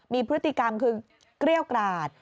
มีพฤติกรรมคือเกรี้ยวกราด